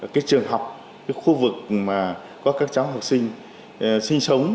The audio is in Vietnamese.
cái trường học cái khu vực mà có các cháu học sinh sinh sống